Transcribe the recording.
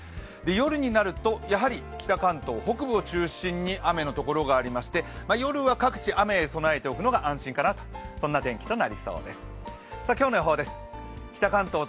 夜になると北関東北部を中心に雨のところがありまして、夜は各地雨に備えておくと安心かなと、そんな状況です。